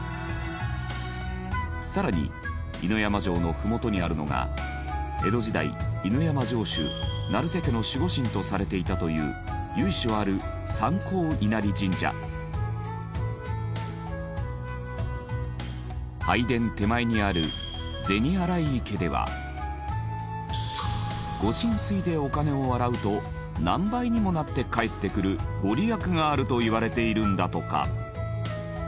更に犬山城のふもとにあるのが江戸時代犬山城主成瀬家の守護神とされていたという由緒ある拝殿手前にある銭洗池では御神水でお金を洗うと何倍にもなって返ってくる御利益があるといわれているんだとか。